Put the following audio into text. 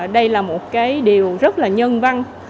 đây là một điều rất nhân văn